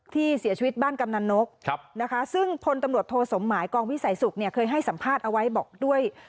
ที่เสียชีวิตบ้านกำนันนกนะคะซึ่งพลตำรวจโทสมหมายกองวิสัยสุขเนี่ยเคยให้สัมภาษณ์เอาไว้บอกด้วย